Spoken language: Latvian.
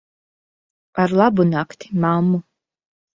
Ar labu nakti, mammu.